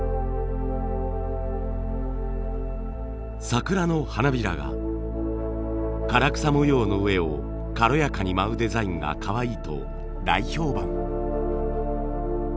桜の花びらが唐草模様の上を軽やかに舞うデザインがかわいいと大評判。